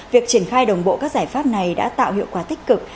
việc triển khai đồng bộ các giải pháp này đã tạo hiệu quả tích cực